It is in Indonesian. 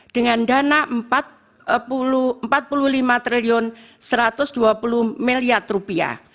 dengan dana rp empat puluh lima satu ratus dua puluh